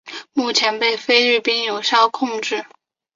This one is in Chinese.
目前被菲律宾有效控制。